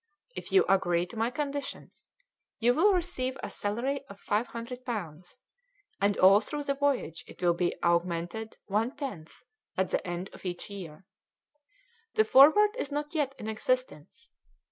If you agree to my conditions you will receive a salary of 500 pounds, and all through the voyage it will be augmented one tenth at the end of each year. The Forward is not yet in existence.